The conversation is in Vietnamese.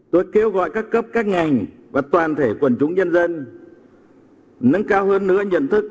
tôi kêu gọi các cấp các ngành và toàn thể quần chúng nhân dân nâng cao hơn nữa nhận thức